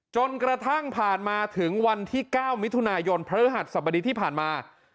จนกระทั่งผ่านมาถึงวันที่๙มิยพศสที่ผ่านมา